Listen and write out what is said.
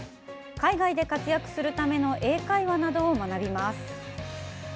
海外で活躍するための英会話などを学びます。